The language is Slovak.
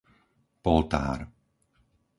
Poltár